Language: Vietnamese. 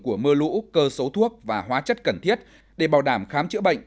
của mưa lũ cơ số thuốc và hóa chất cần thiết để bảo đảm khám chữa bệnh